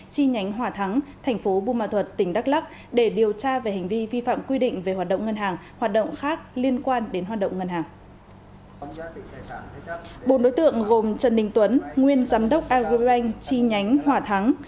chi nhánh hòa thắng thành phố bù mà thuật tỉnh đắk lắc để điều tra về hành vi vi phạm quy định về hoạt động ngân hàng hoạt động khác liên quan đến hoạt động ngân hàng